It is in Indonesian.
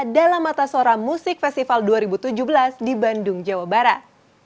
dalam mata sora musik festival dua ribu tujuh belas di bandung jawa barat